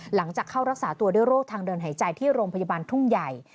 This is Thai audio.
หลังจากเข้ารักษาตัวด้วยโรคทางเดินหายใจที่โรงพยาบาลทุ่งใหญ่